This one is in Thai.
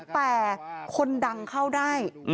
แต่คนดังเข้าได้